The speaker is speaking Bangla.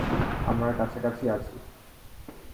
আমরা কাছাকাছিই আছি।